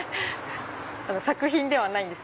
作品ではないんです。